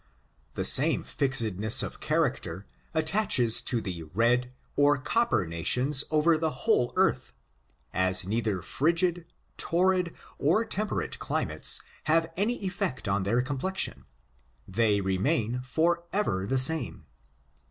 The same fixedness of character attaches to the i^k^H^^^^ ; I I I FORTUNES, OF THE NEGRO RACE. 27 > red or copper nations over the whole earth, as neither frigid, torrid, or temperate climates have any effect on their complexion ; they remain forever the same.